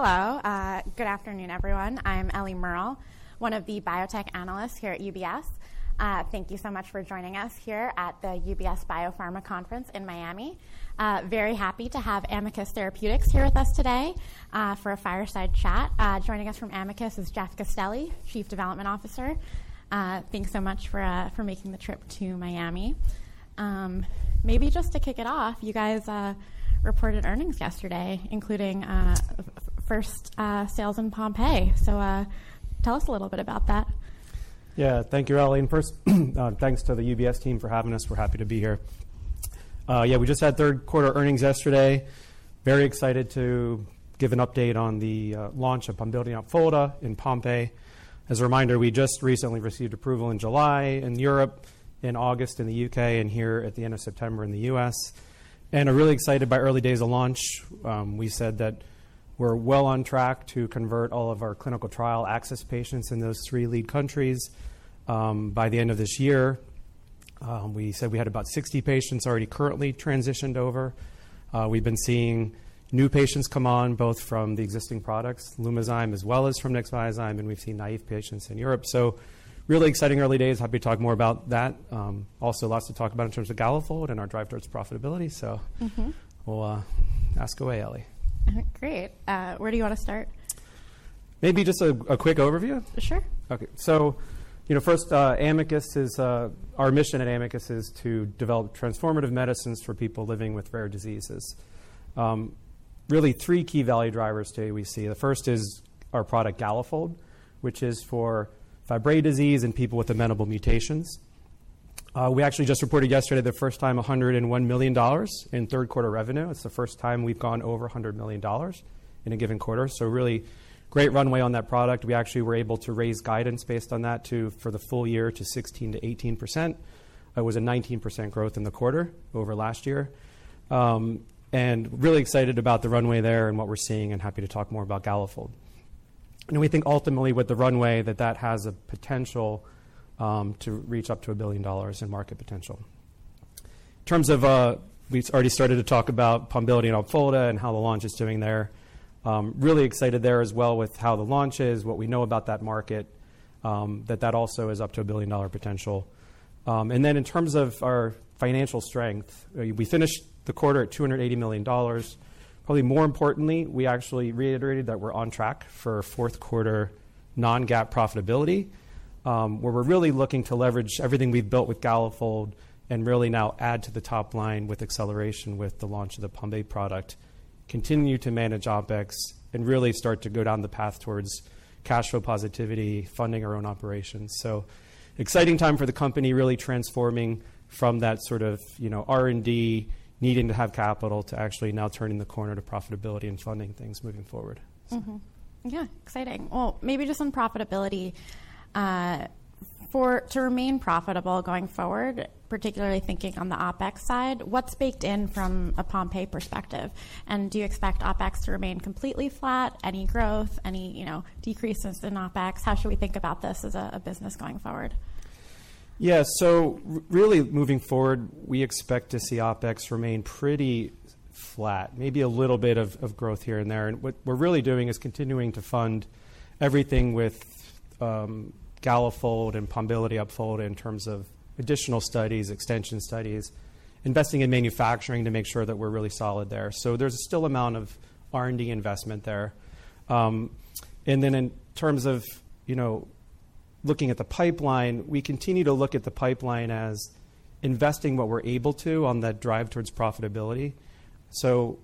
Hello, good afternoon, everyone. I'm Ellie Merle, one of the biotech analysts here at UBS. Thank you so much for joining us here at the UBS Biopharma Conference in Miami. Very happy to have Amicus Therapeutics here with us today for a fireside chat. Joining us from Amicus is Jeff Castelli, Chief Development Officer. Thanks so much for making the trip to Miami. Maybe just to kick it off, you guys reported earnings yesterday, including first sales in Pompe. So, tell us a little bit about that. Yeah. Thank you, Ellie. And first, thanks to the UBS team for having us. We're happy to be here. Yeah, we just had third quarter earnings yesterday. Very excited to give an update on the launch of Pombiliti Opfolda in Pompe. As a reminder, we just recently received approval in July in Europe, in August in the U.K., and here at the end of September in the U.S. and are really excited by early days of launch. We said that we're well on track to convert all of our clinical trial access patients in those three lead countries by the end of this year. We said we had about 60 patients already currently transitioned over. We've been seeing new patients come on, both from the existing products, Lumizyme, as well as from Nexviazyme, and we've seen naive patients in Europe. Really exciting early days. Happy to talk more about that. Also, lots to talk about in terms of Galafold and our drive toward profitability. So,- Mm-hmm. Well, ask away, Ellie. All right, great. Where do you want to start? Maybe just a quick overview? Sure. Okay. So, you know, first, Amicus is... Our mission at Amicus is to develop transformative medicines for people living with rare diseases. Really, three key value drivers today we see: the first is our product, Galafold, which is for Fabry disease in people with amenable mutations. We actually just reported yesterday, the first time, $101 million in third quarter revenue. It's the first time we've gone over $100 million in a given quarter, so, really great runway on that product. We actually were able to raise guidance based on that for the full year to 16%-18%. It was a 19% growth in the quarter over last year. And really excited about the runway there and what we're seeing, and happy to talk more about Galafold. And we think ultimately with the runway, that that has a potential to reach up to $1 billion in market potential. In terms of, we've already started to talk about Pombiliti and Opfolda and how the launch is doing there. Really excited there as well with how the launch is, what we know about that market, that that also is up to a $1 billion potential. And then in terms of our financial strength, we finished the quarter at $280 million. Probably more importantly, we actually reiterated that we're on track for fourth quarter non-GAAP profitability, where we're really looking to leverage everything we've built with Galafold and really now add to the top line with acceleration with the launch of the Pompe product, continue to manage OpEx, and really start to go down the path towards cash flow positivity, funding our own operations. So, exciting time for the company, really transforming from that sort of, you know, R&D, needing to have capital, to actually now turning the corner to profitability and funding things moving forward. Mm-hmm. Yeah, exciting. Well, maybe just on profitability. To remain profitable going forward, particularly thinking on the OpEx side, what's baked in from a Pompe perspective? And do you expect OpEx to remain completely flat? Any growth, any, you know, decreases in OpEx? How should we think about this as a business going forward? Yeah. So, really moving forward, we expect to see OpEx remain pretty flat, maybe a little bit of growth here and there. And what we're really doing is continuing to fund everything with Galafold and Pombiliti and Opfolda in terms of additional studies, extension studies, investing in manufacturing to make sure that we're really solid there. So, there's still amount of R&D investment there. And then in terms of, you know, looking at the pipeline, we continue to look at the pipeline as investing what we're able to on that drive towards profitability. So,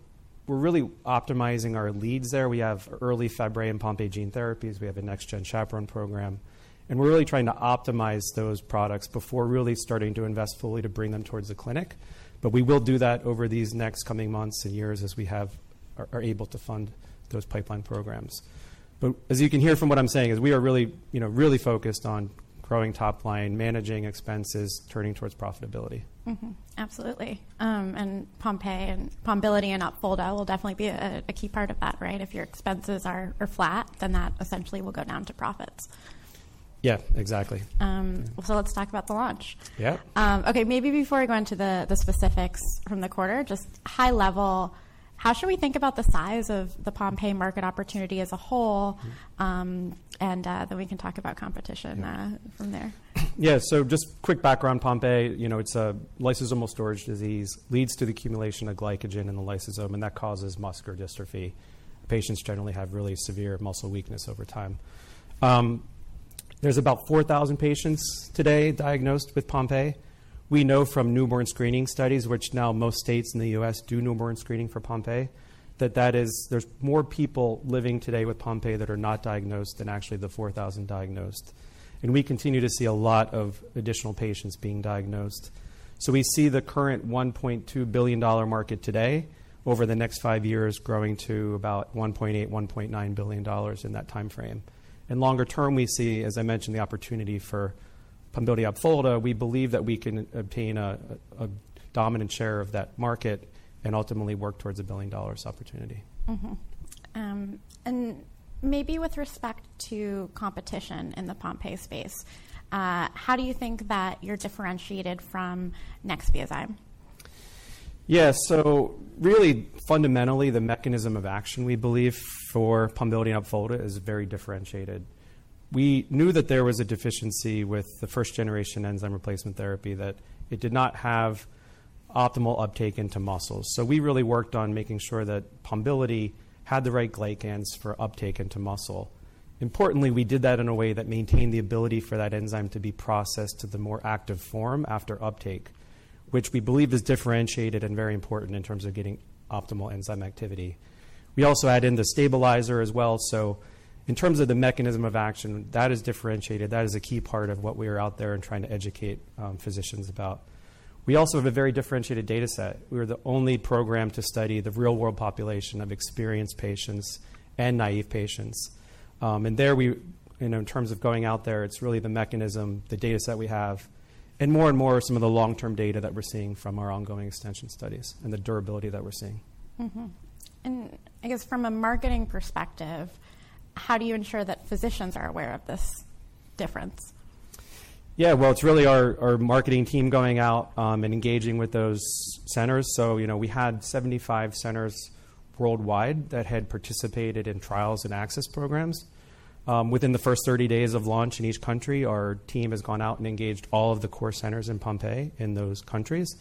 we're really optimizing our leads there. We have early Fabry and Pompe gene therapies. We have a next-gen chaperone program, and we're really trying to optimize those products before really starting to invest fully to bring them towards the clinic. But we will do that over these next coming months and years as we are able to fund those pipeline programs. But as you can hear from what I'm saying, we are really, you know, really focused on growing top line, managing expenses, turning towards profitability. Mm-hmm. Absolutely. And Pompe and Pombiliti Opfolda will definitely be a key part of that, right. If your expenses are flat, then that essentially will go down to profits. Yeah, exactly. So, let's talk about the launch. Yeah. Okay, maybe before I go into the specifics from the quarter, just high-level, how should we think about the size of the Pompe market opportunity as a whole? Mm-hmm. Then we can talk about competition from there. Yeah. So, just quick background, Pompe, you know, it's a lysosomal storage disease, leads to the accumulation of glycogen in the lysosome, and that causes muscular dystrophy. Patients generally have really severe muscle weakness over time. There's about 4,000 patients today diagnosed with Pompe. We know from newborn screening studies, which now most states in the U.S. do newborn screening for Pompe, there's more people living today with Pompe that are not diagnosed than actually the 4,000 diagnosed. And we continue to see a lot of additional patients being diagnosed. So, we see the current $1.2 billion market today, over the next five years, growing to about $1.8-$1.9 billion in that time frame. And longer term, we see, as I mentioned, the opportunity for Pombiliti + Opfolda. We believe that we can obtain a dominant share of that market and ultimately work towards a $1 billion opportunity. Mm-hmm. And maybe with respect to competition in the Pompe space, how do you think that you're differentiated from Nexviazyme? Yeah, so, really fundamentally, the mechanism of action we believe for Pombiliti Opfolda is very differentiated. We knew that there was a deficiency with the first-generation enzyme replacement therapy, that it did not have optimal uptake into muscles. So, we really worked on making sure that Pombiliti had the right glycans for uptake into muscle. Importantly, we did that in a way that maintained the ability for that enzyme to be processed to the more active form after uptake, which we believe is differentiated and very important in terms of getting optimal enzyme activity. We also add in the stabilizer as well, so in terms of the mechanism of action, that is differentiated. That is a key part of what we are out there and trying to educate physicians about. We also have a very differentiated data set. We are the only program to study the real-world population of experienced patients and naive patients. And, you know, in terms of going out there, it's really the mechanism, the data set we have, and more and more some of the long-term data that we're seeing from our ongoing extension studies and the durability that we're seeing. Mm-hmm. I guess from a marketing perspective, how do you ensure that physicians are aware of this difference? Yeah, well, it's really our marketing team going out and engaging with those centers. So, you know, we had 75 centers worldwide that had participated in trials and access programs. Within the first 30 days of launch in each country, our team has gone out and engaged all of the core centers in Pompe, in those countries.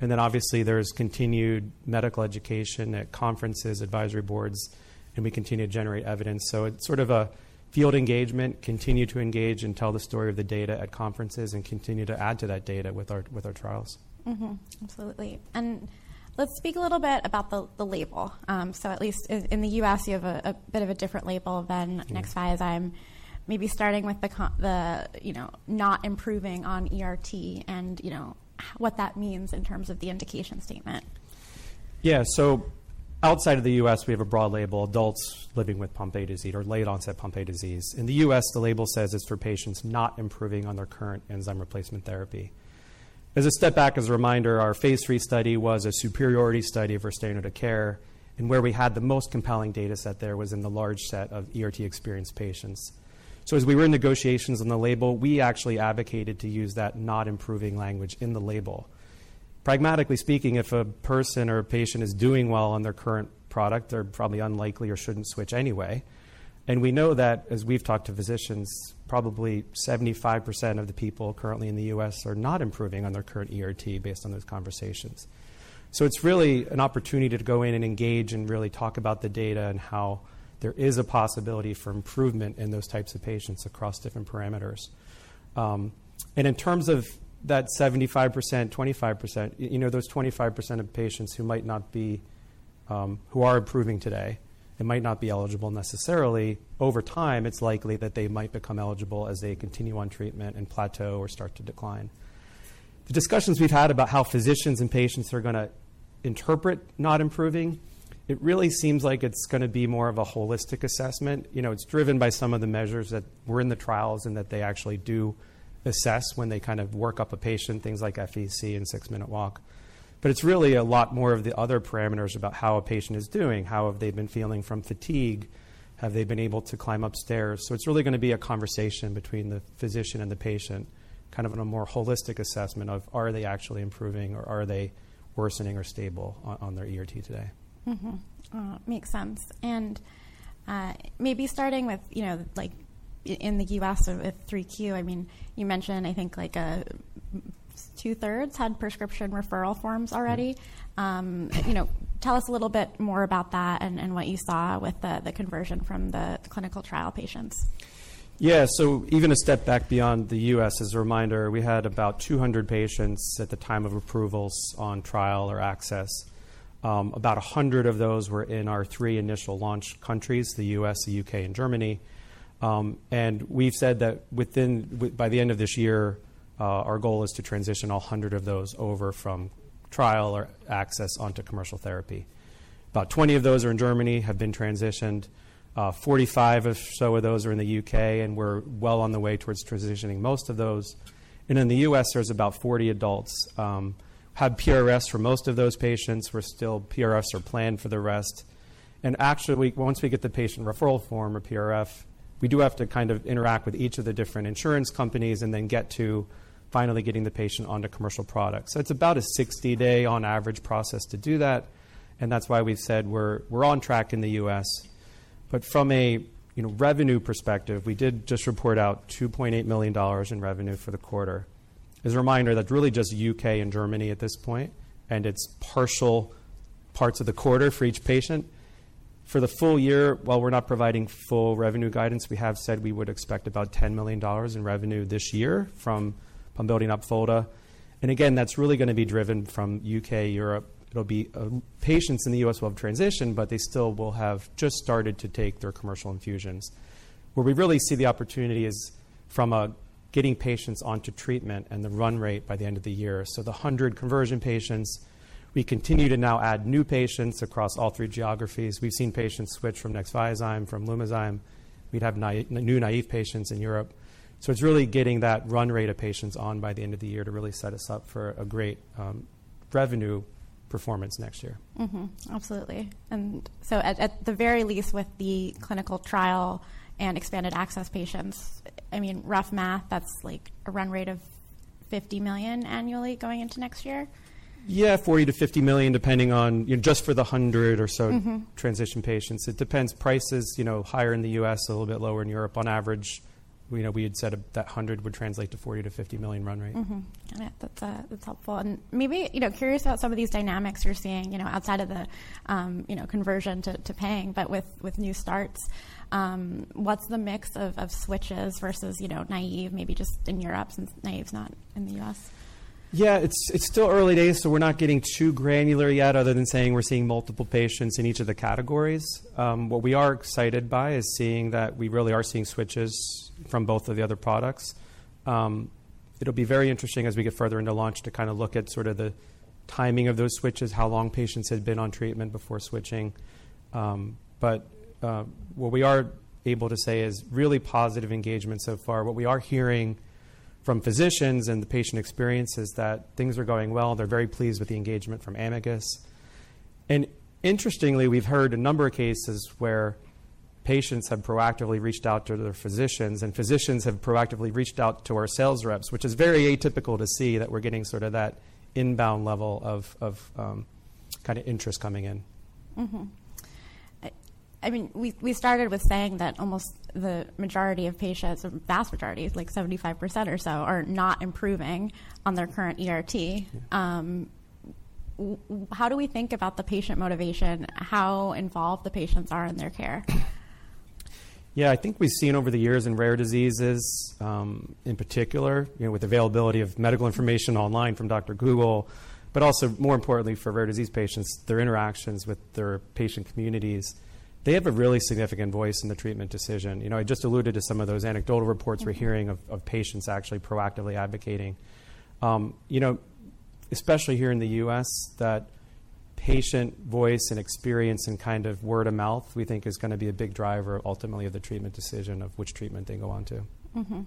And then obviously there's continued medical education at conferences, advisory boards, and we continue to generate evidence. So, it's sort of a field engagement, continue to engage and tell the story of the data at conferences and continue to add to that data with our trials. Mm-hmm, absolutely. And let's speak a little bit about the label. So, at least in the U.S., you have a bit of a different label than Nexviazyme. I'm maybe starting with the, you know, not improving on ERT and, you know, what that means in terms of the indication statement. Yeah. So, outside of the U.S., we have a broad label, adults living with Pompe disease or late-onset Pompe disease. In the U.S., the label says it's for patients not improving on their current enzyme replacement therapy. As a step back, as a reminder, our phase 3 study was a superiority study for standard of care, and where we had the most compelling data set there was in the large set of ERT experienced patients. So, as we were in negotiations on the label, we actually advocated to use that not improving language in the label. Pragmatically speaking, if a person or a patient is doing well on their current product, they're probably unlikely or shouldn't switch anyway. And we know that as we've talked to physicians, probably 75% of the people currently in the U.S. are not improving on their current ERT based on those conversations. So, it's really an opportunity to go in and engage and really talk about the data and how there is a possibility for improvement in those types of patients across different parameters. And in terms of that 75%, 25%, you know, those 25% of patients who might not be, who are improving today and might not be eligible necessarily over time, it's likely that they might become eligible as they continue on treatment and plateau or start to decline. The discussions we've had about how physicians and patients are gonna interpret not improving, it really seems like it's gonna be more of a holistic assessment. You know, it's driven by some of the measures that were in the trials and that they actually do assess when they kind of work up a patient, things like FVC and six-minute walk. But it's really a lot more of the other parameters about how a patient is doing, how have they been feeling from fatigue? Have they been able to climb upstairs? So, it's really gonna be a conversation between the physician and the patient, kind of in a more holistic assessment of are they actually improving or are they worsening or stable on their ERT today? Mm-hmm. Makes sense. And, maybe starting with, you know, like in the U.S., so, with 3Q, I mean, you mentioned, I think, like, two-thirds had prescription referral forms already. Mm-hmm. You know, tell us a little bit more about that and what you saw with the conversion from the clinical trial patients. Yeah. So, even a step back beyond the U.S., as a reminder, we had about 200 patients at the time of approvals on trial or access. About 100 of those were in our 3 initial launch countries, the U.S., the U.K., and Germany. And we've said that within, by the end of this year, our goal is to transition 100 of those over from trial or access onto commercial therapy. About 20 of those are in Germany, have been transitioned. 45-ish of those are in the U.K., and we're well on the way towards transitioning most of those. And in the U.S., there's about 40 adults. Had PRFs for most of those patients were still PRFs or planned for the rest. And actually, once we get the patient referral form or PRF, we do have to kind of interact with each of the different insurance companies and then get to finally getting the patient onto commercial product. So, it's about a 60-day on average process to do that, and that's why we've said we're, we're on track in the US. But from a, you know, revenue perspective, we did just report out $2.8 million in revenue for the quarter. As a reminder, that's really just UK and Germany at this point, and it's partial parts of the quarter for each patient. For the full year, while we're not providing full revenue guidance, we have said we would expect about $10 million in revenue this year from Pombiliti Opfolda, and again, that's really gonna be driven from UK, Europe. It'll be patients in the U.S. will have transitioned, but they still will have just started to take their commercial infusions. Where we really see the opportunity is from a getting patients onto treatment and the run rate by the end of the year. So, the 100 conversion patients, we continue to now add new patients across all three geographies. We've seen patients switch from Nexviazyme, from Lumizyme. We'd have new naive patients in Europe. So, it's really getting that run rate of patients on by the end of the year to really set us up for a great revenue performance next year. Mm-hmm. Absolutely. And so, at the very least, with the clinical trial and expanded access patients, I mean, rough math, that's like a run rate of $50 million annually going into next year? Yeah, $40 million-$50 million, depending on, you know, just for the 100 or so,- Mm-hmm. Transition patients. It depends. Price is, you know, higher in the U.S., a little bit lower in Europe. On average, we know, we had said that 100 would translate to $40 million-$50 million run rate. Mm-hmm. Got it. That's, that's helpful. And maybe, you know, curious about some of these dynamics you're seeing, you know, outside of the, you know, conversion to paying, but with new starts. What's the mix of switches versus, you know, naive, maybe just in Europe, since naive's not in the U.S.? Yeah, it's still early days, so, we're not getting too granular yet other than saying we're seeing multiple patients in each of the categories. What we are excited by is seeing that we really are seeing switches from both of the other products. It'll be very interesting as we get further into launch to kind of look at sort of the timing of those switches, how long patients had been on treatment before switching. But what we are able to say is really positive engagement so far. What we are hearing from physicians and the patient experience is that things are going well. They're very pleased with the engagement from Amicus. Interestingly, we've heard a number of cases where patients have proactively reached out to their physicians, and physicians have proactively reached out to our sales reps, which is very atypical to see that we're getting sort of that inbound level of kind of interest coming in. Mm-hmm. I mean, we started with saying that almost the majority of patients, or vast majority, is like 75% or so, are not improving on their current ERT. Mm-hmm. How do we think about the patient motivation? How involved the patients are in their care? Yeah, I think we've seen over the years in rare diseases, in particular, you know, with availability of medical information online from Dr. Google, but also more importantly for rare disease patients, their interactions with their patient communities. They have a really significant voice in the treatment decision. You know, I just alluded to some of those anecdotal reports- Mm-hmm. We're hearing of patients actually proactively advocating. You know, especially here in the U.S., that patient voice and experience and kind of word of mouth, we think is gonna be a big driver, ultimately, of the treatment decision of which treatment they go on to. Mm-hmm.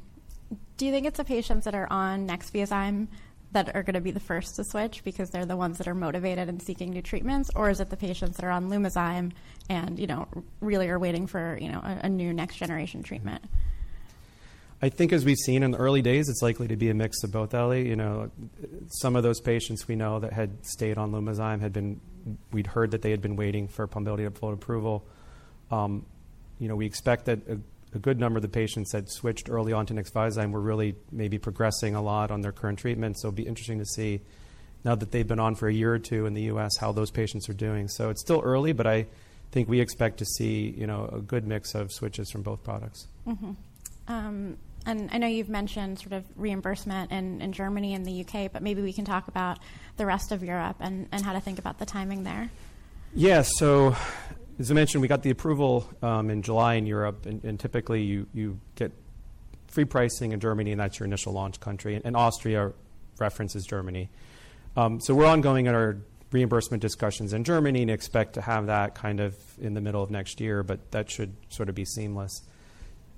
Do you think it's the patients that are on Nexviazyme that are gonna be the first to switch because they're the ones that are motivated and seeking new treatments? Or is it the patients that are on Lumizyme and, you know, really are waiting for, you know, a new next-generation treatment? I think, as we've seen in the early days, it's likely to be a mix of both, Ellie. You know, some of those patients we know that had stayed on Lumizyme had been... We'd heard that they had been waiting for Pombiliti and Opfolda approval. You know, we expect that a good number of the patients that switched early on to Nexviazyme were really maybe progressing a lot on their current treatment. So, it'll be interesting to see, now that they've been on for a year or two in the U.S., how those patients are doing. So, it's still early, but I think we expect to see, you know, a good mix of switches from both products. Mm-hmm. And I know you've mentioned sort of reimbursement in Germany and the UK, but maybe we can talk about the rest of Europe and how to think about the timing there. Yeah. So, as I mentioned, we got the approval in July in Europe, and typically, you get free pricing in Germany, and that's your initial launch country, and Austria references Germany. So, we're ongoing in our reimbursement discussions in Germany and expect to have that kind of in the middle of next year, but that should sort of be seamless.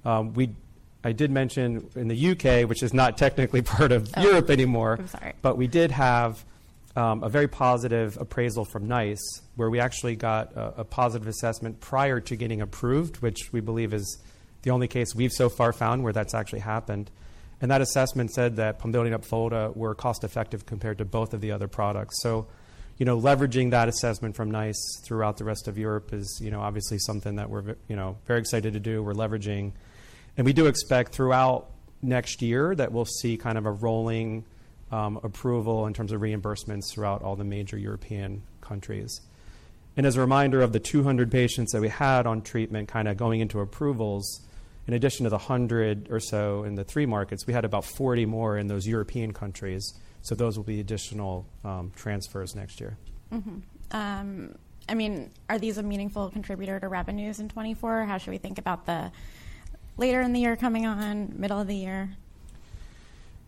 We—I did mention in the U.K., which is not technically part of Europe anymore- I'm sorry. But we did have a very positive appraisal from NICE, where we actually got a positive assessment prior to getting approved, which we believe is the only case we've so far found where that's actually happened. And that assessment said that Pombiliti and Opfolda were cost-effective compared to both of the other products. So, you know, leveraging that assessment from NICE throughout the rest of Europe is, you know, obviously something that we're very excited to do. We're leveraging, and we do expect throughout next year that we'll see kind of a rolling approval in terms of reimbursements throughout all the major European countries. As a reminder of the 200 patients that we had on treatment, kind of going into approvals, in addition to the 100 or so, in the three markets, we had about 40 more in those European countries, so those will be additional transfers next year. I mean, are these a meaningful contributor to revenues in 2024? How should we think about the later in the year coming on, middle of the year?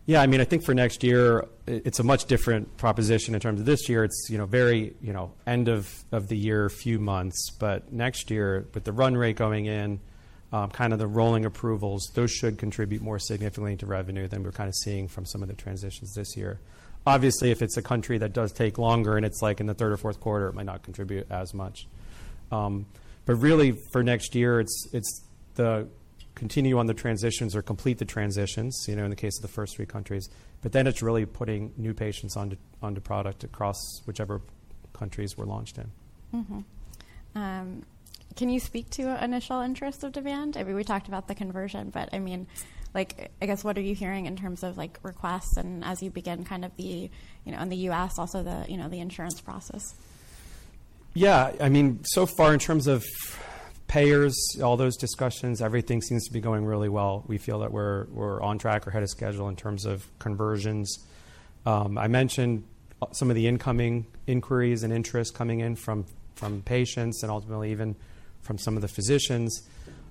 Yeah, I mean, I think for next year, it's a much different proposition in terms of this year. It's, you know, very, you know, end of the year, few months. But next year, with the run rate going in, kind of the rolling approvals, those should contribute more significantly to revenue than we're kind of seeing from some of the transitions this year. Obviously, if it's a country that does take longer and it's like in the third or fourth quarter, it might not contribute as much. But really, for next year, it's the continue on the transitions or complete the transitions, you know, in the case of the first three countries. But then it's really putting new patients onto product across whichever countries we're launched in. Mm-hmm. Can you speak to initial interest of demand? I mean, we talked about the conversion, but I mean, like, I guess, what are you hearing in terms of, like, requests and as you begin kind of the, you know, in the U.S., also the, you know, the insurance process? Yeah. I mean, so far, in terms of payers, all those discussions, everything seems to be going really well. We feel that we're, we're on track or ahead of schedule in terms of conversions. I mentioned some of the incoming inquiries and interest coming in from patients and ultimately even from some of the physicians.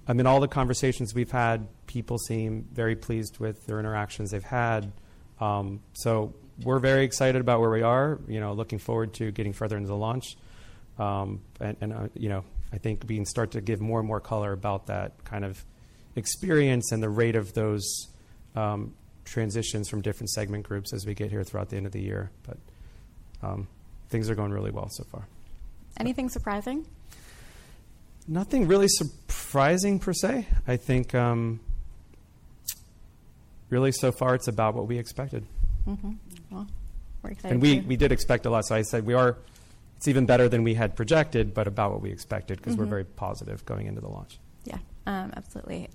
I mean, all the conversations we've had, people seem very pleased with the interactions they've had. So, we're very excited about where we are, you know, looking forward to getting further into the launch. And, and, you know, I think we can start to give more and more color about that kind of experience and the rate of those transitions from different segment groups as we get here throughout the end of the year. But things are going really well so far. Anything surprising? ... Nothing really surprising per se. I think, really, so far, it's about what we expected. Mm-hmm. Well, we're excited- And we did expect a lot. So, I said, we are. It's even better than we had projected, but about what we expected- Mm-hmm. because we're very positive going into the launch. Yeah, absolutely.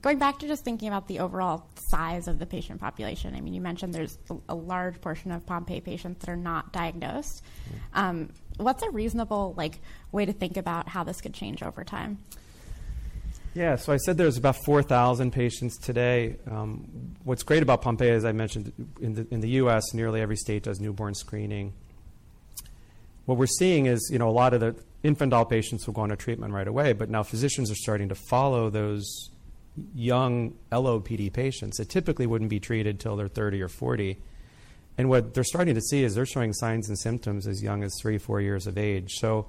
Going back to just thinking about the overall size of the patient population, I mean, you mentioned there's a large portion of Pompe patients that are not diagnosed. Mm-hmm. What's a reasonable, like, way to think about how this could change over time? Yeah. So, I said there's about 4,000 patients today. What's great about Pompe, as I mentioned, in the U.S., nearly every state does newborn screening. What we're seeing is, you know, a lot of the infantile patients will go on a treatment right away, but now physicians are starting to follow those young LOPD patients that typically wouldn't be treated till they're 30 or 40. And what they're starting to see is they're showing signs and symptoms as young as 3, 4 years of age. So,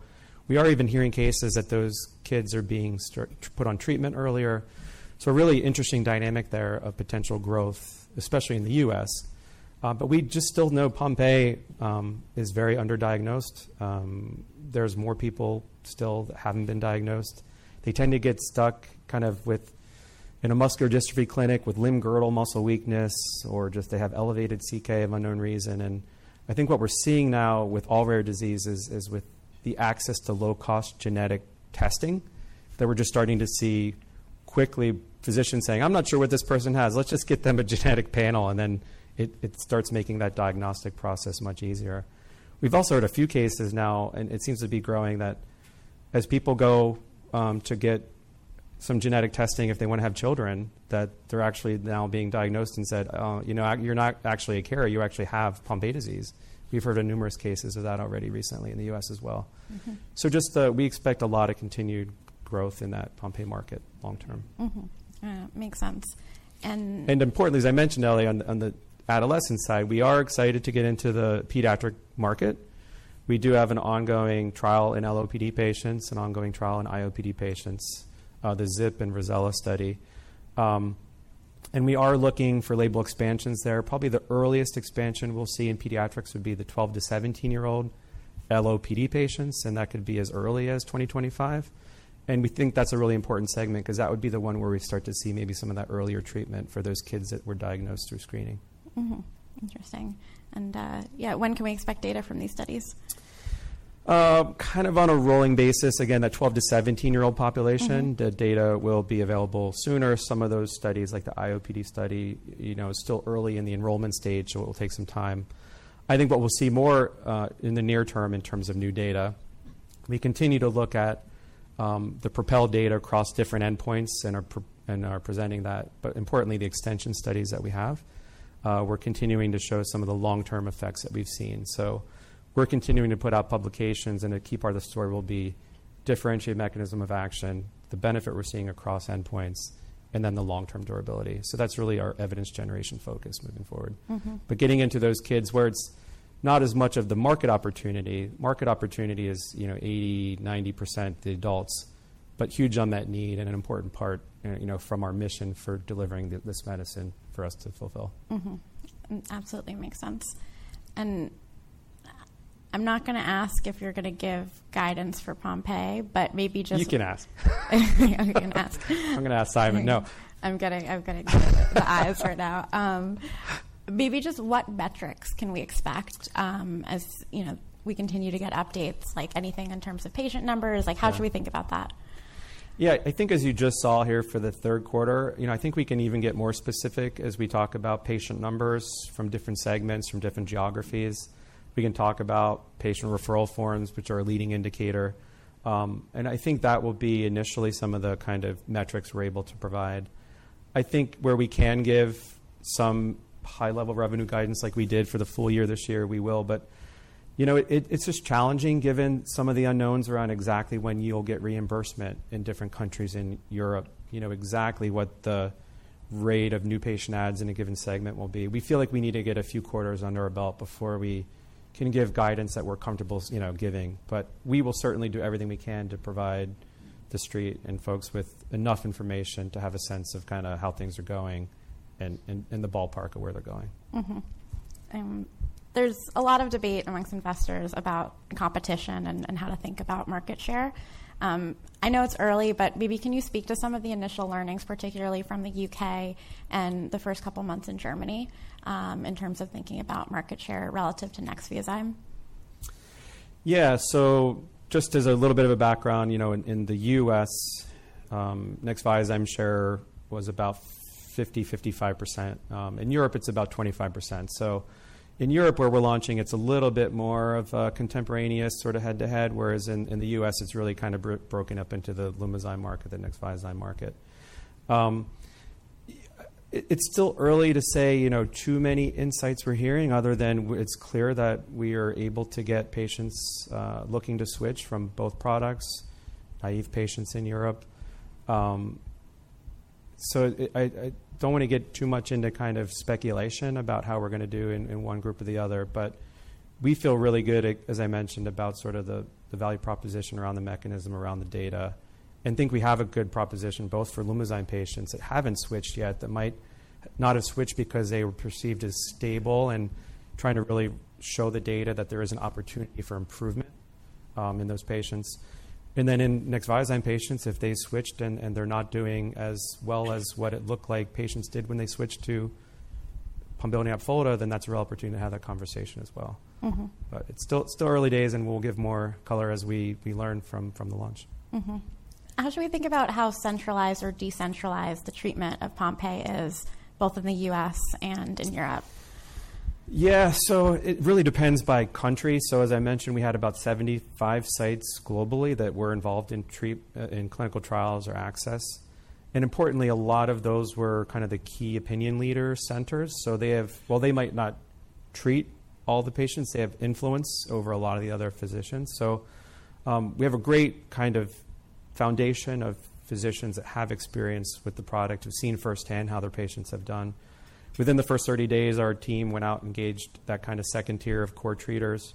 we are even hearing cases that those kids are being put on treatment earlier. So, a really interesting dynamic there of potential growth, especially in the U.S. But we just still know Pompe is very underdiagnosed. There's more people still that haven't been diagnosed. They tend to get stuck kind of with, in a muscular dystrophy clinic, with limb girdle muscle weakness, or just they have elevated CK of unknown reason. And I think what we're seeing now with all rare diseases is with the access to low-cost genetic testing, that we're just starting to see quickly physicians saying, "I'm not sure what this person has. Let's just get them a genetic panel," and then it, it starts making that diagnostic process much easier. We've also had a few cases now, and it seems to be growing, that as people go, to get some genetic testing, if they want to have children, that they're actually now being diagnosed and said, "Oh, you know, you're not actually a carrier. You actually have Pompe disease." We've heard of numerous cases of that already recently in the U.S. as well. Mm-hmm. We expect a lot of continued growth in that Pompe market long term. Mm-hmm. Makes sense. And importantly, as I mentioned earlier, on the adolescent side, we are excited to get into the pediatric market. We do have an ongoing trial in LOPD patients, an ongoing trial in IOPD patients, the ZIP and Rossella study. And we are looking for label expansions there. Probably the earliest expansion we'll see in pediatrics would be the 12- to 17-year-old LOPD patients, and that could be as early as 2025. And we think that's a really important segment because that would be the one where we start to see maybe some of that earlier treatment for those kids that were diagnosed through screening. Mm-hmm. Interesting. And, yeah, when can we expect data from these studies? Kind of on a rolling basis. Again, that 12- to 17-year-old population- Mm-hmm. The data will be available sooner. Some of those studies, like the IOPD study, you know, it's still early in the enrollment stage, so it will take some time. I think what we'll see more, in the near term in terms of new data, we continue to look at, the PROPEL data across different endpoints and are presenting that. But importantly, the extension studies that we have, we're continuing to show some of the long-term effects that we've seen. So, we're continuing to put out publications, and a key part of the story will be differentiated mechanism of action, the benefit we're seeing across endpoints, and then the long-term durability. So, that's really our evidence generation focus moving forward. Mm-hmm. But getting into those kids where it's not as much of the market opportunity. Market opportunity is, you know, 80%-90% the adults, but huge on that need and an important part, you know, from our mission for delivering this medicine for us to fulfill. Mm-hmm. It absolutely makes sense. And I'm not gonna ask if you're gonna give guidance for Pompe, but maybe just- You can ask. I can ask. I'm gonna ask Simon. No. I'm getting the eyes right now. Maybe just what metrics can we expect, as, you know, we continue to get updates? Like, anything in terms of patient numbers- Yeah. Like, how should we think about that? Yeah. I think as you just saw here for the third quarter, you know, I think we can even get more specific as we talk about patient numbers from different segments, from different geographies. We can talk about patient referral forms, which are a leading indicator, and I think that will be initially some of the kind of metrics we're able to provide. I think where we can give some high-level revenue guidance, like we did for the full year this year, we will. But, you know, it, it's just challenging given some of the unknowns around exactly when you'll get reimbursement in different countries in Europe. You know, exactly what the rate of new patient adds in a given segment will be. We feel like we need to get a few quarters under our belt before we can give guidance that we're comfortable, you know, giving. But we will certainly do everything we can to provide the street and folks with enough information to have a sense of kind of how things are going and the ballpark of where they're going. Mm-hmm. There's a lot of debate amongst investors about competition and, and how to think about market share. I know it's early, but maybe can you speak to some of the initial learnings, particularly from the U.K. and the first couple of months in Germany, in terms of thinking about market share relative to Nexviazyme? Yeah. So, just as a little bit of a background, you know, in the US, Nexviazyme share was about 50-55%. In Europe, it's about 25%. So, in Europe, where we're launching, it's a little bit more of a contemporaneous, sort of head-to-head, whereas in the U.S., it's really kind of broken up into the Lumizyme market, the Nexviazyme market. It's still early to say, you know, too many insights we're hearing, other than it's clear that we are able to get patients looking to switch from both products, naive patients in Europe. So, I don't want to get too much into kind of speculation about how we're gonna do in one group or the other, but we feel really good, as I mentioned, about sort of the value proposition around the mechanism, around the data, and think we have a good proposition, both for Lumizyme patients that haven't switched yet, that might not have switched because they were perceived as stable and trying to really show the data that there is an opportunity for improvement in those patients. And then in Nexviazyme patients, if they switched and they're not doing as well as what it looked like patients did when they switched to Pombiliti Opfolda, then that's a real opportunity to have that conversation as well. Mm-hmm. But it's still early days, and we'll give more color as we learn from the launch. Mm-hmm. How should we think about how centralized or decentralized the treatment of Pompe is, both in the U.S. and in Europe? Yeah. So, it really depends by country. So, as I mentioned, we had about 75 sites globally that were involved in treatment in clinical trials or access. And importantly, a lot of those were kind of the key opinion leader centers. So, they have-- While they might not treat all the patients, they have influence over a lot of the other physicians. So, we have a great kind of foundation of physicians that have experience with the product, who've seen firsthand how their patients have done. Within the first 30 days, our team went out and engaged that kind of second tier of core treaters.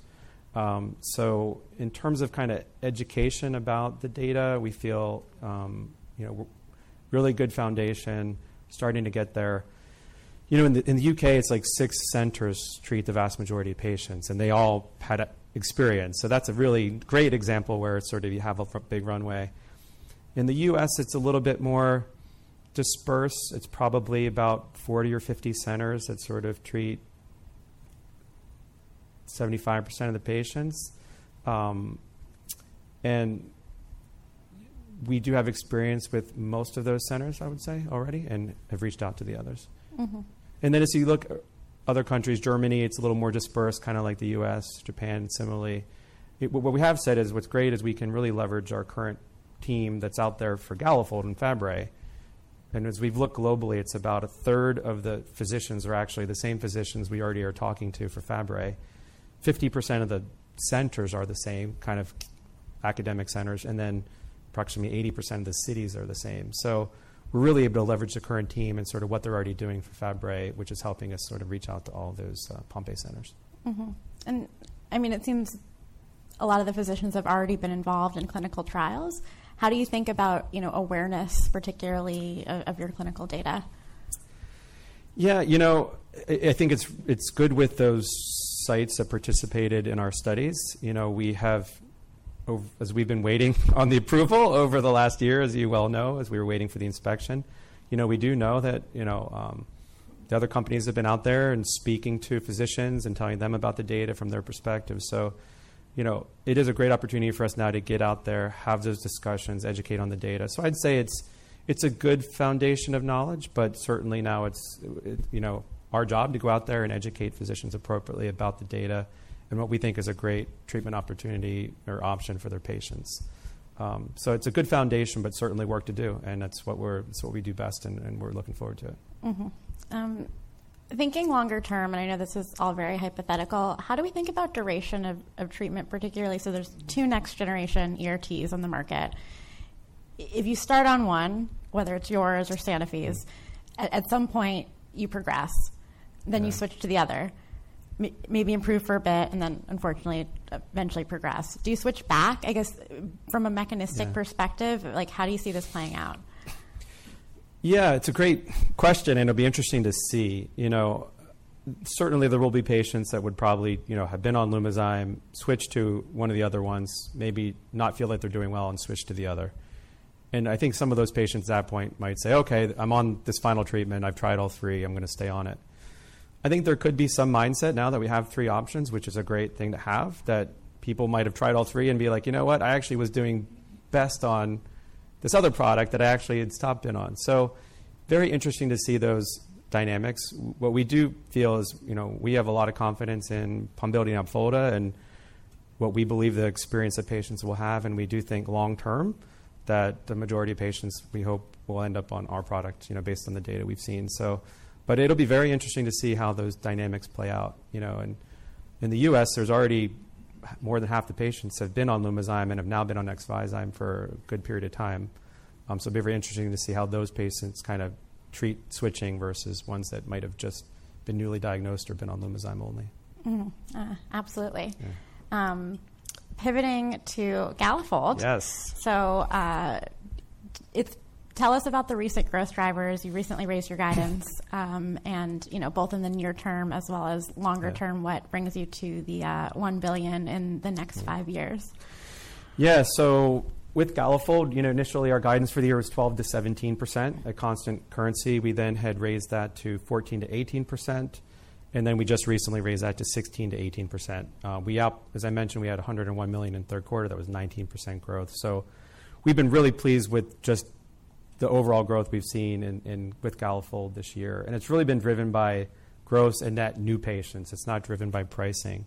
So, in terms of kind of education about the data, we feel, you know, really good foundation starting to get there. You know, in the U.K., it's like six centers treat the vast majority of patients, and they all had experience. So, that's a really great example where sort of you have a big runway. In the U.S., it's a little bit more dispersed. It's probably about 40 or 50 centers that sort of treat 75% of the patients. And we do have experience with most of those centers, I would say, already, and have reached out to the others. Mm-hmm. And then as you look other countries, Germany, it's a little more dispersed, kind of like the U.S., Japan, similarly. What we have said is, what's great is we can really leverage our current team that's out there for Galafold and Fabry. And as we've looked globally, it's about a third of the physicians are actually the same physicians we already are talking to for Fabry. 50% of the centers are the same kind of academic centers, and then approximately 80% of the cities are the same. So, we're really able to leverage the current team and sort of what they're already doing for Fabry, which is helping us sort of reach out to all those Pompe centers. Mm-hmm. And, I mean, it seems a lot of the physicians have already been involved in clinical trials. How do you think about, you know, awareness, particularly of, of your clinical data? Yeah, you know, I think it's good with those sites that participated in our studies. You know, as we've been waiting on the approval over the last year, as you well know, as we were waiting for the inspection. You know, we do know that, you know, the other companies have been out there and speaking to physicians and telling them about the data from their perspective. So, you know, it is a great opportunity for us now to get out there, have those discussions, educate on the data. So, I'd say it's a good foundation of knowledge, but certainly now it's, you know, our job to go out there and educate physicians appropriately about the data and what we think is a great treatment opportunity or option for their patients. So, it's a good foundation, but certainly work to do, and it's what we do best, and we're looking forward to it. Mm-hmm. Thinking longer term, and I know this is all very hypothetical, how do we think about duration of treatment, particularly? So, there's two next-generation ERTs on the market. If you start on one, whether it's yours or Sanofi's, at some point, you progress- Yeah. then you switch to the other. Maybe improve for a bit, and then, unfortunately, eventually progress. Do you switch back? I guess from a mechanistic perspective- Yeah. like, how do you see this playing out? Yeah, it's a great question, and it'll be interesting to see. You know, certainly there will be patients that would probably, you know, have been on Lumizyme, switch to one of the other ones, maybe not feel like they're doing well, and switch to the other. I think some of those patients at that point might say: "Okay, I'm on this final treatment. I've tried all three. I'm going to stay on it." I think there could be some mindset now that we have three options, which is a great thing to have, that people might have tried all three and be like: "You know what? I actually was doing best on this other product that I actually had stopped in on." Very interesting to see those dynamics. What we do feel is, you know, we have a lot of confidence in Pombiliti and Opfolda and what we believe the experience that patients will have, and we do think long term, that the majority of patients, we hope, will end up on our product, you know, based on the data we've seen. So, but it'll be very interesting to see how those dynamics play out, you know. And in the U.S., there's already more than half the patients have been on Lumizyme and have now been on Nexviazyme for a good period of time. So, it'll be very interesting to see how those patients kind of treat switching versus ones that might have just been newly diagnosed or been on Lumizyme only. Mm-hmm. Absolutely. Yeah. Pivoting to Galafold. Yes. So, tell us about the recent growth drivers. You recently raised your guidance, and, you know, both in the near term as well as longer term- Yeah... what brings you to the $1 billion in the next 5 years? Yeah. So, with Galafold, you know, initially, our guidance for the year was 12%-17% at constant currency. We then had raised that to 14%-18%, and then we just recently raised that to 16%-18%. Uh, we as I mentioned, we had $101 million in the third quarter. That was 19% growth. So, we've been really pleased with just the overall growth we've seen in with Galafold this year, and it's really been driven by growth and net new patients. It's not driven by pricing.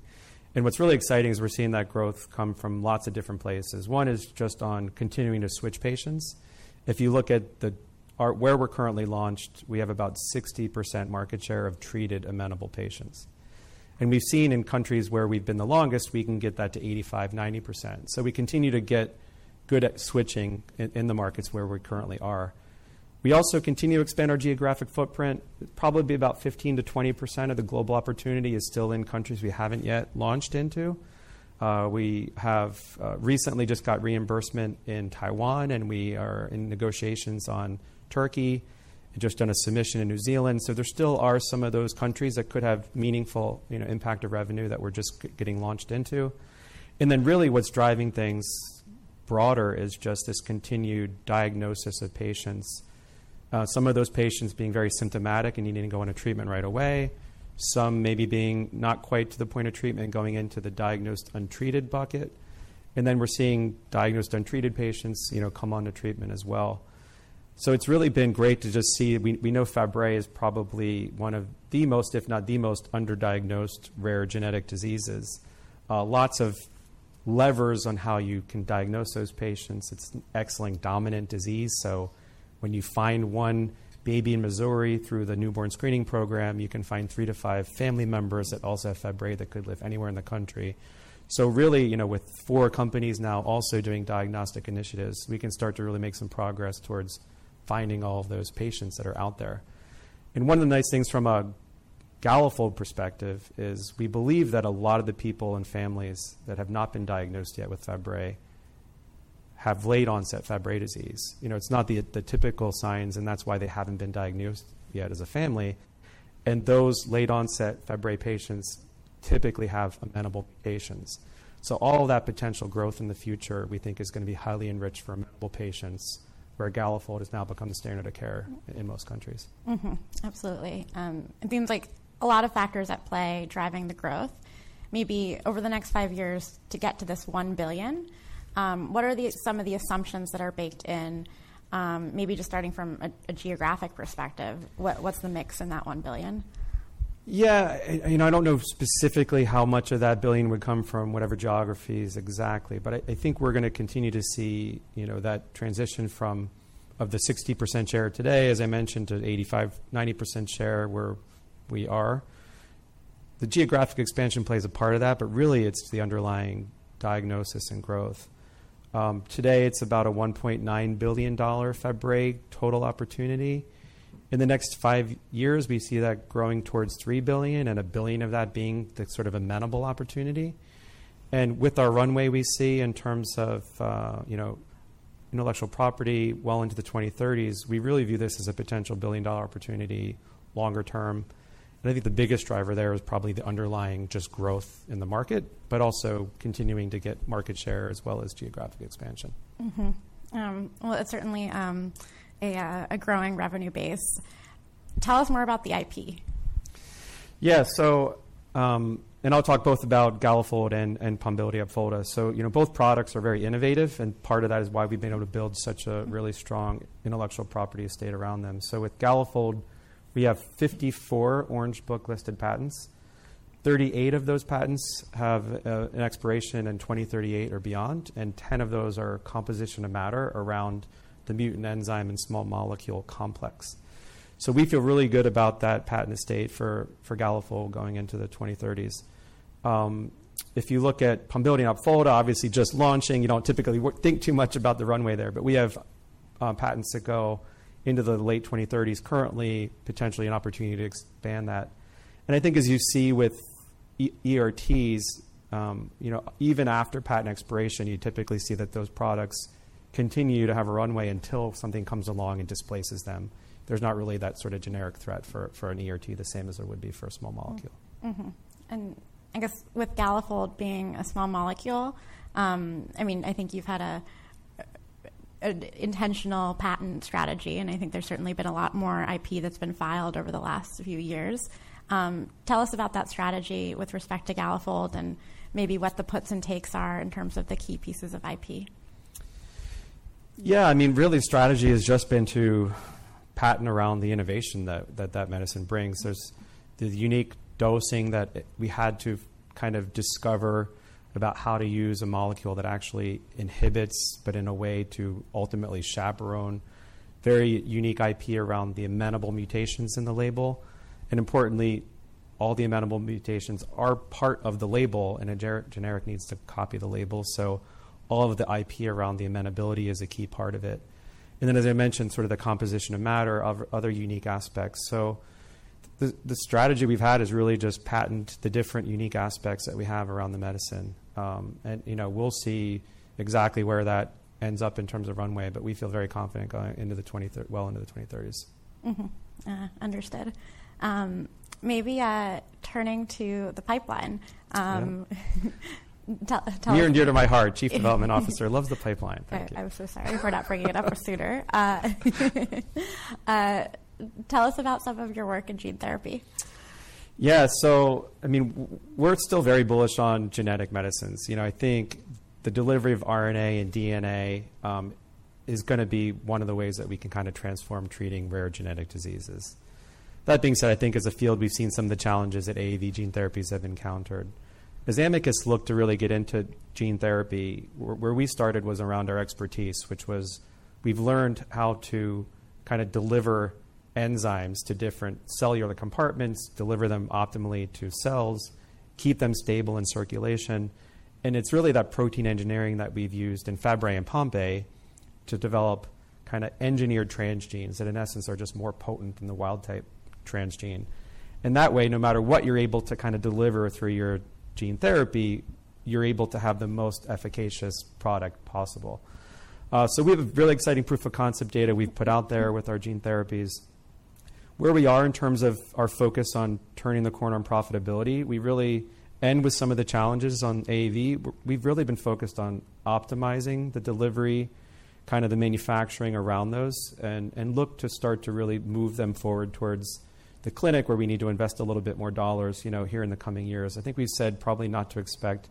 And what's really exciting is we're seeing that growth come from lots of different places. One is just on continuing to switch patients. If you look at where we're currently launched, we have about 60% market share of treated amenable patients. We've seen in countries where we've been the longest, we can get that to 85%-90%. We continue to get good at switching in the markets where we currently are. We also continue to expand our geographic footprint. Probably about 15%-20% of the global opportunity is still in countries we haven't yet launched into. We have recently just got reimbursement in Taiwan, and we are in negotiations on Turkey, and just done a submission in New Zealand. There still are some of those countries that could have meaningful, you know, impact of revenue that we're just getting launched into. Then really what's driving things broader is just this continued diagnosis of patients. Some of those patients being very symptomatic and needing to go on a treatment right away. Some maybe being not quite to the point of treatment, going into the diagnosed untreated bucket. Then we're seeing diagnosed, untreated patients, you know, come onto treatment as well. So, it's really been great to just see. We know Fabry is probably one of the most, if not the most, underdiagnosed rare genetic diseases. Lots of levers on how you can diagnose those patients. It's an X-linked dominant disease, so when you find one baby in Missouri through the newborn screening program, you can find three to five family members that also have Fabry that could live anywhere in the country. So, really you know, with four companies now also doing diagnostic initiatives, we can start to really make some progress towards finding all of those patients that are out there. One of the nice things from a Galafold perspective is, we believe that a lot of the people and families that have not been diagnosed yet with Fabry have late-onset Fabry disease. You know, it's not the typical signs, and that's why they haven't been diagnosed yet as a family, and those late-onset Fabry patients typically have amenable mutations. So, all of that potential growth in the future, we think, is going to be highly enriched for amenable patients, where Galafold has now become the standard of care in most countries. Mm-hmm. Absolutely. It seems like a lot of factors at play driving the growth. Maybe over the next five years to get to this $1 billion, what are some of the assumptions that are baked in, maybe just starting from a geographic perspective? What's the mix in that $1 billion? Yeah. You know, I don't know specifically how much of that billion would come from whatever geographies exactly, but I, I think we're going to continue to see, you know, that transition from... Of the 60% share today, as I mentioned, to 85%-90% share where we are. The geographic expansion plays a part of that, but really, it's the underlying diagnosis and growth. Today, it's about a $1.9 billion Fabry total opportunity. In the next five years, we see that growing towards $3 billion and $1 billion of that being the sort of amenable opportunity. And with our runway, we see in terms of, you know, intellectual property well into the 2030s, we really view this as a potential billion-dollar opportunity longer term. I think the biggest driver there is probably the underlying just growth in the market, but also continuing to get market share as well as geographic expansion. Mm-hmm. Well, it's certainly a growing revenue base. Tell us more about the IP. Yeah. So, I'll talk both about Galafold and Pombiliti Opfolda. So, you know, both products are very innovative, and part of that is why we've been able to build such a really strong intellectual property estate around them. So, with Galafold, we have 54 Orange Book-listed patents. Thirty-eight of those patents have an expiration in 2038 or beyond, and ten of those are composition of matter around the mutant enzyme and small molecule complex. So, we feel really good about that patent estate for Galafold going into the 2030s. If you look at Pombiliti Opfolda, obviously just launching, you don't typically think too much about the runway there, but we have patents that go into the late 2030s currently, potentially an opportunity to expand that. I think as you see with ERTs, you know, even after patent expiration, you typically see that those products continue to have a runway until something comes along and displaces them. There's not really that sort of generic threat for an ERT, the same as there would be for a small molecule. Mm-hmm. Mm-hmm. And I guess with Galafold being a small molecule, I mean, I think you've had an intentional patent strategy, and I think there's certainly been a lot more IP that's been filed over the last few years. Tell us about that strategy with respect to Galafold and maybe what the puts and takes are in terms of the key pieces of IP. Yeah, I mean, really, the strategy has just been to patent around the innovation that medicine brings. There's the unique dosing that we had to kind of discover about how to use a molecule that actually inhibits, but in a way to ultimately chaperone. Very unique IP around the amenable mutations in the label, and importantly, all the amenable mutations are part of the label, and a generic needs to copy the label, so, all of the IP around the amenability is a key part of it. And then, as I mentioned, sort of the composition of matter of other unique aspects. So, the strategy we've had is really just to patent the different unique aspects that we have around the medicine. You know, we'll see exactly where that ends up in terms of runway, but we feel very confident going into the 2030s. Mm-hmm. Understood. Maybe turning to the pipeline, tell— Near and dear to my heart, Chief Development Officer loves the pipeline. Thank you. I'm so sorry for not bringing it up sooner. Tell us about some of your work in gene therapy. Yeah. So, I mean, we're still very bullish on genetic medicines. You know, I think the delivery of RNA and DNA is gonna be one of the ways that we can kind of transform treating rare genetic diseases. That being said, I think as a field, we've seen some of the challenges that AAV gene therapies have encountered. As Amicus looked to really get into gene therapy, where we started was around our expertise, which was we've learned how to kind of deliver enzymes to different cellular compartments, deliver them optimally to cells, keep them stable in circulation, and it's really that protein engineering that we've used in Fabry and Pompe to develop kind of engineered transgenes that, in essence, are just more potent than the wild-type transgene. And that way, no matter what you're able to kind of deliver through your gene therapy, you're able to have the most efficacious product possible. So, we have a really exciting proof of concept data we've put out there with our gene therapies. Where we are in terms of our focus on turning the corner on profitability, we really end with some of the challenges on AAV. We've really been focused on optimizing the delivery, kind of the manufacturing around those, and look to start to really move them forward towards the clinic, where we need to invest a little bit more dollars, you know, here in the coming years. I think we've said probably not to expect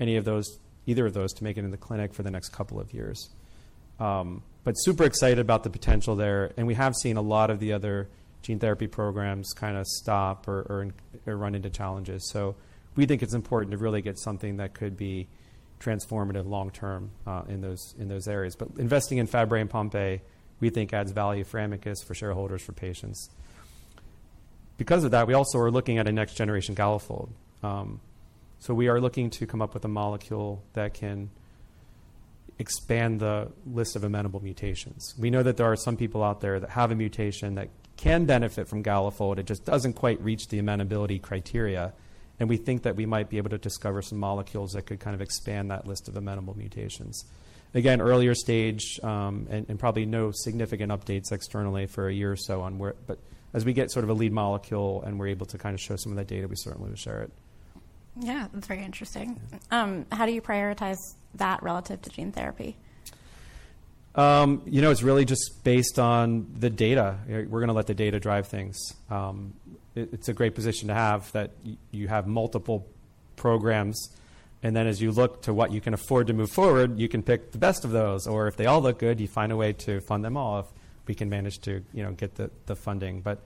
any of those, either of those to make it in the clinic for the next couple of years. But super excited about the potential there, and we have seen a lot of the other gene therapy programs kind of stop or run into challenges. So, we think it's important to really get something that could be transformative long term, in those areas. But investing in Fabry and Pompe, we think adds value for Amicus, for shareholders, for patients. Because of that, we also are looking at a next-generation Galafold. So, we are looking to come up with a molecule that can expand the list of amenable mutations. We know that there are some people out there that have a mutation that can benefit from Galafold; it just doesn't quite reach the amenability criteria, and we think that we might be able to discover some molecules that could kind of expand that list of amenable mutations. Again, earlier stage, and probably no significant updates externally for a year or so. But as we get sort of a lead molecule and we're able to kind of show some of that data, we certainly will share it. Yeah, that's very interesting. How do you prioritize that relative to gene therapy? You know, it's really just based on the data. We're gonna let the data drive things. It's a great position to have, that you have multiple programs, and then as you look to what you can afford to move forward, you can pick the best of those, or if they all look good, you find a way to fund them all, if we can manage to, you know, get the funding. But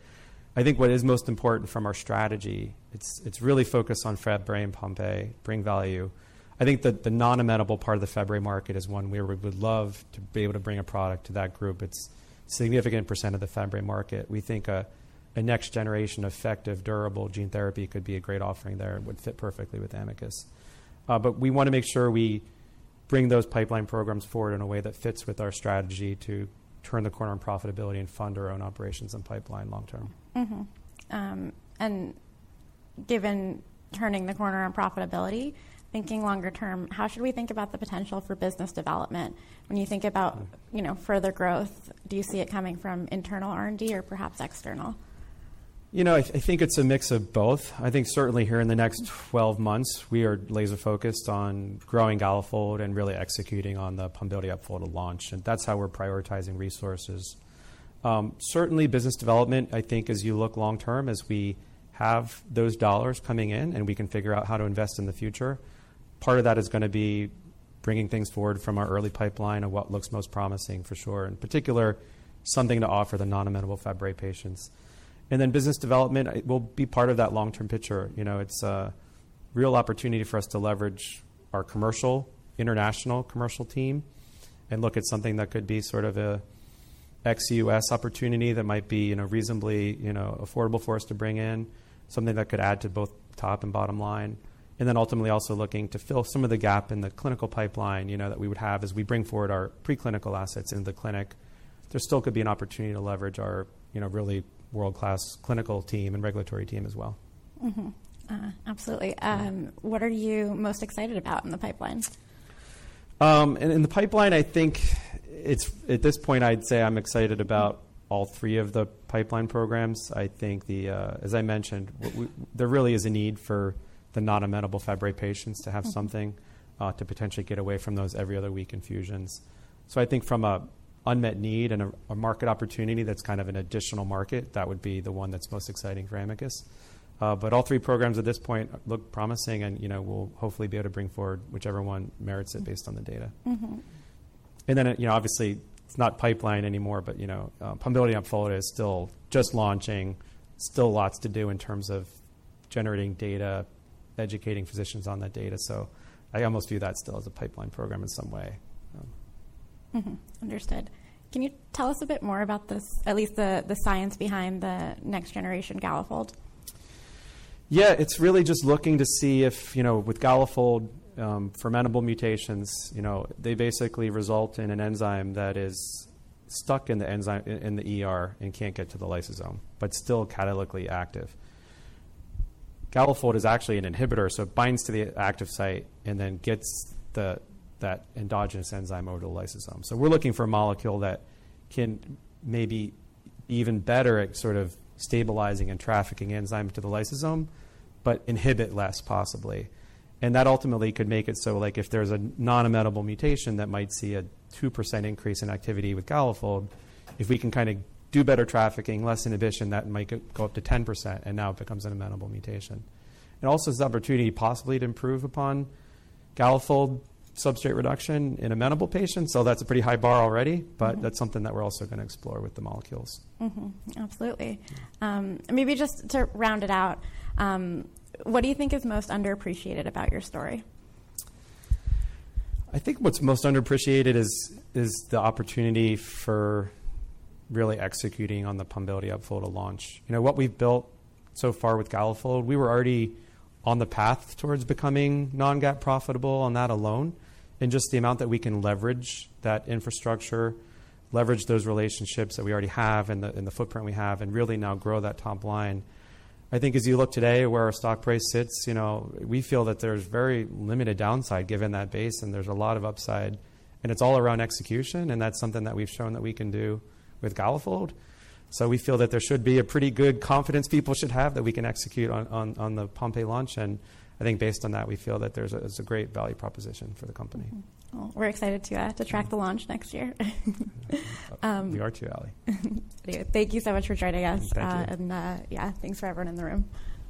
I think what is most important from our strategy, it's really focused on Fabry and Pompe, bring value. I think that the non-amenable part of the Fabry market is one we would love to be able to bring a product to that group. It's a significant percent of the Fabry market. We think a next-generation effective, durable gene therapy could be a great offering there and would fit perfectly with Amicus. But we wanna make sure we bring those pipeline programs forward in a way that fits with our strategy to turn the corner on profitability and fund our own operations and pipeline long term. Mm-hmm. And given turning the corner on profitability, thinking longer term, how should we think about the potential for business development? When you think about, you know, further growth, do you see it coming from internal R&D or perhaps external? You know, I think it's a mix of both. I think certainly here in the next 12 months, we are laser-focused on growing Galafold and really executing on the Pombiliti Opfolda launch, and that's how we're prioritizing resources. Certainly business development, I think as you look long term, as we have those dollars coming in, and we can figure out how to invest in the future, part of that is gonna be bringing things forward from our early pipeline of what looks most promising for sure, and in particular, something to offer the non-amenable Fabry patients. And then business development will be part of that long-term picture. You know, it's a real opportunity for us to leverage our commercial international commercial team and look at something that could be sort of a ex U.S. opportunity that might be, you know, reasonably, you know, affordable for us to bring in, something that could add to both top and bottom line, and then ultimately also looking to fill some of the gap in the clinical pipeline, you know, that we would have as we bring forward our preclinical assets in the clinic. There still could be an opportunity to leverage our, you know, really world-class clinical team and regulatory team as well. Mm-hmm. Absolutely. What are you most excited about in the pipeline? In the pipeline, I think it's—at this point, I'd say I'm excited about all three of the pipeline programs. I think the... As I mentioned, there really is a need for the non-amenable Fabry patients to have- Mm-hmm Something to potentially get away from those every other week infusions. So, I think from an unmet need and a market opportunity, that's kind of an additional market that would be the one that's most exciting for Amicus. But all three programs at this point look promising and, you know, we'll hopefully be able to bring forward whichever one merits it based on the data. Mm-hmm. And then, you know, obviously, it's not pipeline anymore, but, you know, Pombiliti Opfolda is still just launching. Still, lots to do in terms of generating data, educating physicians on that data, so, I almost view that still as a pipeline program in some way. Mm-hmm. Understood. Can you tell us a bit more about this, at least the science behind the next generation Galafold? Yeah, it's really just looking to see if, you know, with Galafold, amenable mutations, you know, they basically result in an enzyme that is stuck in the enzyme, in the ER and can't get to the lysosome, but still catalytically active. Galafold is actually an inhibitor, so, it binds to the active site and then gets the, that endogenous enzyme over to the lysosome. So, we're looking for a molecule that can maybe even better at sort of stabilizing and trafficking enzyme to the lysosome but inhibit less possibly. And that ultimately could make it so, like, if there's a non-amenable mutation that might see a 2% increase in activity with Galafold, if we can kind of do better trafficking, less inhibition, that might go up to 10%, and now it becomes an amenable mutation. It also is the opportunity possibly to improve upon Galafold substrate reduction in amenable patients, so that's a pretty high bar already. Mm-hmm... but that's something that we're also gonna explore with the molecules. Mm-hmm. Absolutely. Maybe just to round it out, what do you think is most underappreciated about your story? I think what's most underappreciated is the opportunity for really executing on the Pombiliti Opfolda launch. You know, what we've built so far with Galafold, we were already on the path towards becoming non-GAAP profitable on that alone, and just the amount that we can leverage that infrastructure, leverage those relationships that we already have and the footprint we have, and really now grow that top line. I think as you look today, where our stock price sits, you know, we feel that there's very limited downside given that base, and there's a lot of upsides, and its all-around execution, and that's something that we've shown that we can do with Galafold. So, we feel that there should be a pretty good confidence people should have that we can execute on the Pompe launch, and I think based on that, we feel that there's a, it's a great value proposition for the company. Well, we're excited to track the launch next year. We are too, Ellie. Thank you so much for joining us. Thank you. Yeah, thanks for everyone in the room.